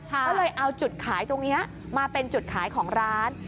ก็เลยเอาจุดขายตรงนี้มาเป็นจุดขายของร้าน